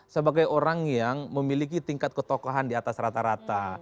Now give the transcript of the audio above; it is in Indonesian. sebagai orang yang memiliki tingkat ketokohan di atas rata rata